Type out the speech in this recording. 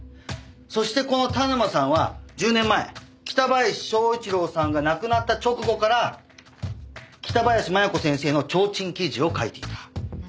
そしてこの田沼さんは１０年前北林昭一郎さんが亡くなった直後から北林麻弥子先生の提灯記事を書いていた。